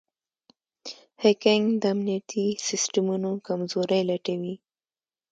هیکنګ د امنیتي سیسټمونو کمزورۍ لټوي.